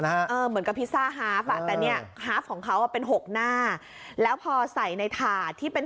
เหมือนกับพิซซ่าฮาฟอ่ะแต่เนี่ยฮาฟของเขาเป็นหกหน้าแล้วพอใส่ในถาดที่เป็น